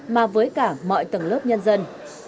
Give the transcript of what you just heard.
mà mọi tầng lớp nhân dân